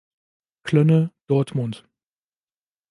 Klönne, Dortmund.